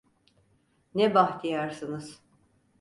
Ne bahtiyarsınız